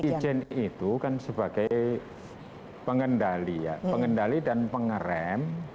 irjen itu kan sebagai pengendali dan pengeren